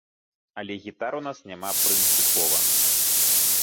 Але гітар у нас няма прынцыпова.